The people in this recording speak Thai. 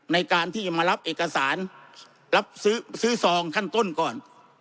ในการที่จะมารับเอกสารรับซื้อซองขั้นต้นก่อน